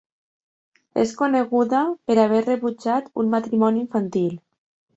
És coneguda per haver rebutjat un matrimoni infantil.